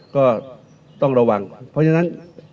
ก็ต้องระวังเพราะฉะนั้น